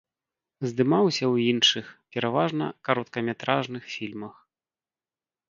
Здымаўся ў іншых, пераважна, кароткаметражных фільмах.